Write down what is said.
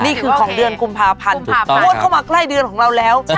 นี่คือของเดือนกุมภาพันธ์งวดเข้ามาใกล้เดือนของเราแล้ว